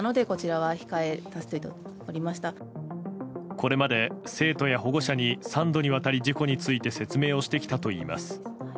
これまで生徒や保護者に３度にわたり事故について説明をしてきたといいます。